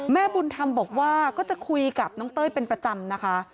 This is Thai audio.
แม่บุญธรรมบอกว่าก็จะคุยกับน้องเต้ยเป็นประจำนะคะ